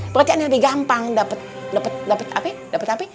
berarti aneh lebih gampang dapet dapet dapet apa